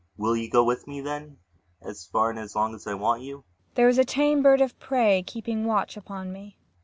Will you go with me, then as far and as long as I want you? MAIA. There is a tame bird of prey keeping watch upon me.